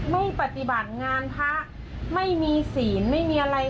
ไม่ปฏิบัติงานพระไม่มีศีลไม่มีอะไร